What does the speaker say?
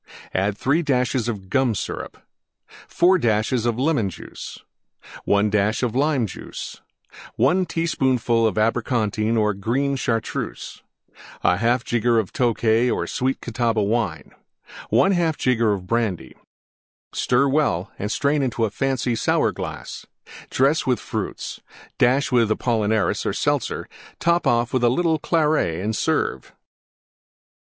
3 dashes Gum Syrup 4 dashes Lemon Juice. 1 dash Lime Juice. 1 teaspoonful Abricontine or green Chartreuse. 1/2 jigger Tokay or Sweet Catawba Wine. 1/2 jigger Brandy. Stir well and strain into a fancy Sour glass; dress with Fruits; dash with Apollinaris or Seltzer; top off with a little Claret and serve.